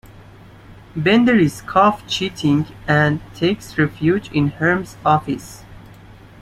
Bender is caught cheating and takes refuge in Hermes' office.